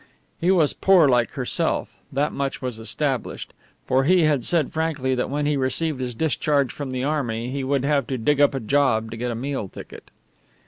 He was poor like herself. That much was established. For he had said frankly that when he received his discharge from the Army he would have to dig up a job to get a meal ticket.